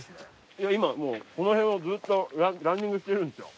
今もうこの辺をずっとランニングしてるんですよ。